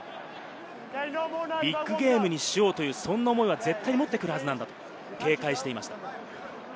ビッグゲームにしようという、そんな思いは絶対に持ってくるはずなんだと警戒していました。